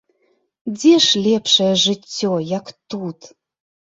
Дзе ж лепшае жыццё, як тут?